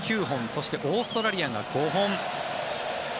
そしてオーストラリアが５本。